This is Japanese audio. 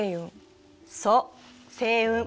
そう星雲。